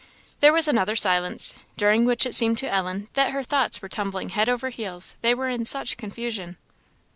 There was another silence, during which it seemed to Ellen that her thoughts were tumbling head over heels, they were in such confusion.